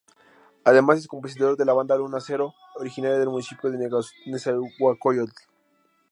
Además, es compositor de la banda Luna Zero, originaria del municipio de Nezahualcóyotl.